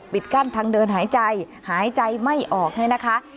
กั้นทางเดินหายใจหายใจไม่ออกเนี่ยนะคะ